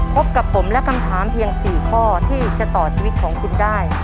พบกับผมและคำถามเพียง๔ข้อที่จะต่อชีวิตของคุณได้